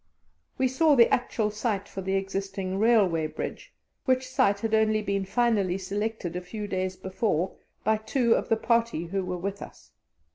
We saw the actual site for the existing railway bridge, which site had only been finally selected a few days before by two of the party who were with us.